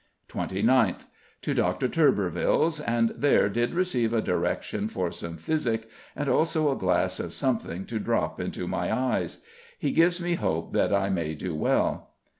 29th: To Dr. Turberville's, and there did receive a direction for some physick, and also a glass of something to drop into my eyes; he gives me hope that I may do well.